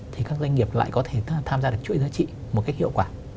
thì các doanh nghiệp lại có thể tham gia được chuỗi giá trị một cách hiệu quả